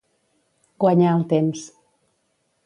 Guanyar el temps.